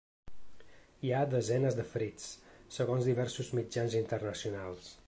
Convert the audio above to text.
Hi ha desenes de ferits, segons diversos mitjans internacionals.